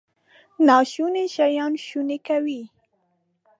ناشوني شیان شوني کوي.